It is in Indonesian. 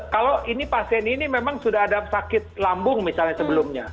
kalau ini pasien ini memang sudah ada sakit lambung misalnya sebelumnya